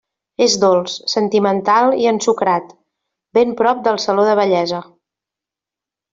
És dolç, sentimental i ensucrat; ben prop del saló de bellesa.